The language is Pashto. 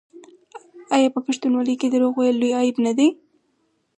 آیا په پښتونولۍ کې دروغ ویل لوی عیب نه دی؟